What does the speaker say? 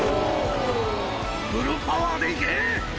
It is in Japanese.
フルパワーでいけ！